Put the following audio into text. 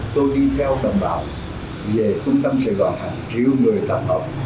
tôi đi theo tầm bào về cung tâm sài gòn hàng triệu người tầm hợp